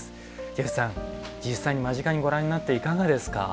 ジェフさん、実際に間近にご覧になっていかがですか？